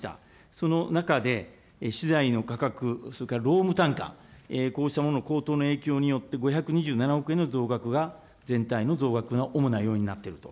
その中で、資材の価格、それから労務単価、こうしたものの高騰の影響によって、５２７億円の増額が、全体の増額の主な要因になっていると。